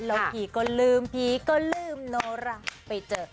เราผีก็ลืมผีก็ลืมโนร่าไปเจอ